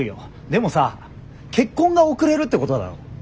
でもさ結婚が遅れるってことだろ。